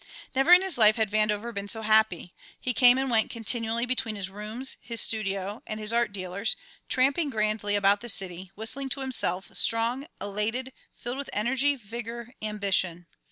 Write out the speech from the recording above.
Never in his life had Vandover been so happy. He came and went continually between his rooms, his studio, and his art dealers, tramping grandly about the city, whistling to himself, strong, elated, filled with energy, vigour, ambition.